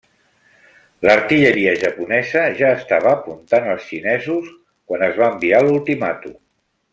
L'artilleria japonesa ja estava apuntant als xinesos quan es va enviar l'ultimàtum.